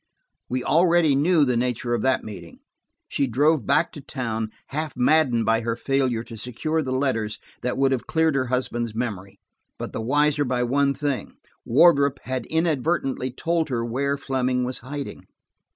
We already knew the nature of that meeting. She drove back to town, half maddened by her failure to secure the letters that would have cleared her husband's memory, but the wiser by one thing: Wardrop had inadvertently told her where Fleming was hiding.